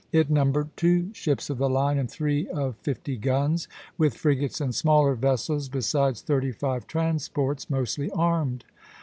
It numbered two ships of the line, and three of fifty guns, with frigates and smaller vessels, besides thirty five transports, mostly armed.